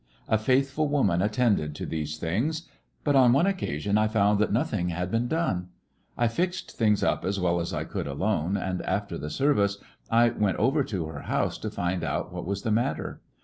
A faithful woman attended to these things. But on one occasion I found that nothing had been done. I fixed things up as well as I could alone, and after the service I went over to her house to find 39 ^ecoCCections of a out what was the matter.